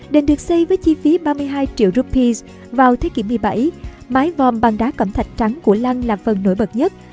đền được xây với chi phí ba mươi hai triệu rupee vào thế kỷ một mươi bảy mái vòm bằng đá cẩm thạch trắng của lăng là phần nổi bật nhất